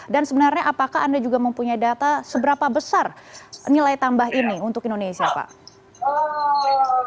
dan sebenarnya apakah anda juga mempunyai data seberapa besar nilai tambah ini untuk indonesia pak